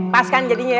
pas kan jadinya ya